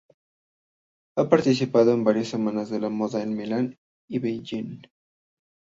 Ha participado en varias semanas de la moda en Milán y Beijing.